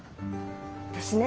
私ね